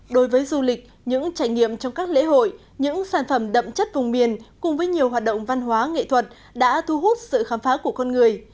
đối với du lịch những trải nghiệm trong các lễ hội những sản phẩm đậm chất vùng miền cùng với nhiều hoạt động văn hóa nghệ thuật đã thu hút sự khám phá của con người